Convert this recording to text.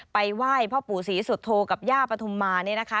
ไหว้พ่อปู่ศรีสุโธกับย่าปฐุมมาเนี่ยนะคะ